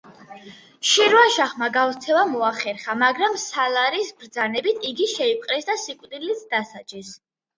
შირვანშაჰმა გაქცევა მოახერხა, მაგრამ სალარის ბრძანებით, იგი შეიპყრეს და სიკვდილით დასაჯეს.